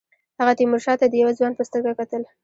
هغه تیمورشاه ته د یوه ځوان په سترګه کتل.